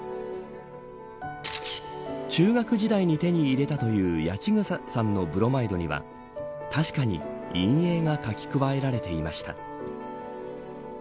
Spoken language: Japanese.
中学時代に手に入れたという八千草さんのブロマイドには確かに陰影が描き加えられていました。